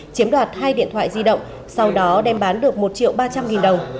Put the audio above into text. chiếm đoạt hai điện thoại di động sau đó đem bán được một triệu ba trăm linh nghìn đồng